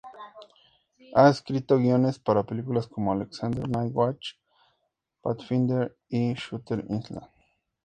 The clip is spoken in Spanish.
Ha escrito guiones para películas como "Alexander, Night Watch, Pathfinder" y "Shutter Island".